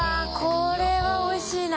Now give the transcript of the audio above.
これはおいしいな。